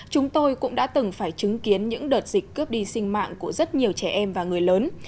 chúng tôi cũng đã từng phải chứng kiến những đợt dịch cướp đi sinh mạng của rất nhiều trẻ em và người lớn